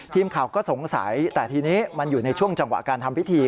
ทีมข่าวก็สงสัยแต่ทีนี้มันอยู่ในช่วงจังหวะการทำพิธี